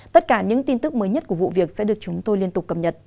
tất cả những tin tức mới nhất của vụ việc sẽ được chúng tôi liên tục cập nhật